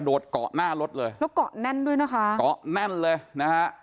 เกาะหน้ารถเลยแล้วเกาะแน่นด้วยนะคะเกาะแน่นเลยนะฮะ